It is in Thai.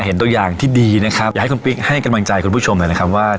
ตัวอย่างที่ดีนะครับอยากให้คุณปิ๊กให้กำลังใจคุณผู้ชมหน่อยนะครับว่า